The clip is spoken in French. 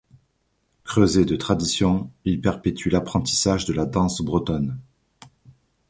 Creuset de tradition, il perpétue l'apprentissage de la danse bretonne.